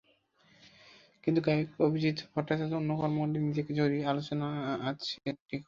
কিন্তু গায়ক অভিজিৎ ভট্টাচার্য অন্য কর্মকাণ্ডে নিজেকে জড়িয়ে আলোচনায় আসছেন ঠিকই।